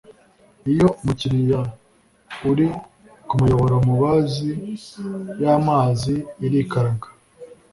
iyo umukiriya uri ku muyoboro mubazi y’amazi irikaraga